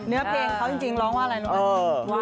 เนื้อเพลงเค้าจริงร้องว่าอะไรลุงเป็น